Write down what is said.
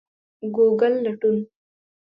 ګوګل لټون